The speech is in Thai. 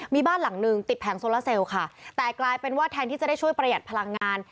มีบ้านหลังหนึ่งติดแผงโซลาเซลค่ะแต่กลายเป็นว่าแทนที่จะได้ช่วยประหยัดพลังงาน